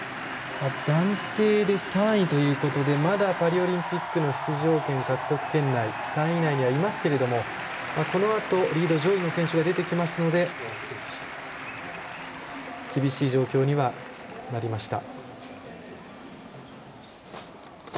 暫定で３位ということでまだパリオリンピックの出場権獲得権内３位以内には、いますけれどもこのあとリード上位の選手が出てきますので厳しい状況にはなりました。